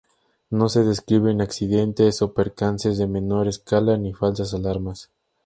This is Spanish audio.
No se describen accidentes o percances de menor escala ni falsas alarmas.